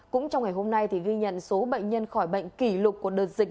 cũng trong ngày hôm nay ghi nhận số bệnh nhân khỏi bệnh kỷ lục của đợt dịch